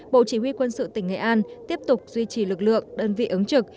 bộ chỉ huy quân sự tỉnh nghệ an tiếp tục duy trì lực lượng đơn vị ứng trực